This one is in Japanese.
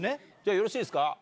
よろしいですか？